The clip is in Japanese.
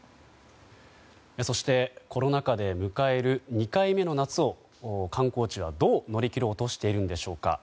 そしてコロナ禍で迎える２回目の夏を観光地はどう乗り切ろうとしているんでしょうか。